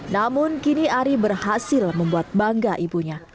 namun kini ari berhasil membuat bangga ibunya